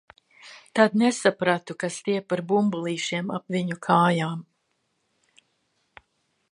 Tad nesapratu, kas tie par bumbulīšiem ap viņu kājiņām.